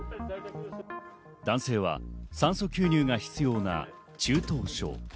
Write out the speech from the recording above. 男性は酸素吸入が必要な中等症。